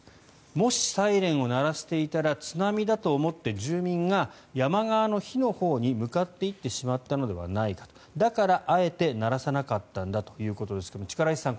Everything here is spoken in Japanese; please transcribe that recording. もし、サイレンを鳴らしていたら津波だと思って住民が山側の火のほうに向かっていってしまったのではないかだからあえて鳴らさなかったんだということですが力石さん